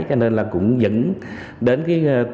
cho nên là cũng dẫn đến cái